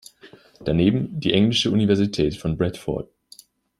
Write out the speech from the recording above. Daneben die englische Universität von Bradford.